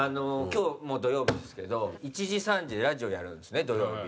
今日土曜日ですけど１時３時でラジオやるんですね土曜日。